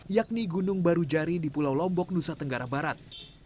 yakni gunung barujari di pulau lombok nusa tenggara barat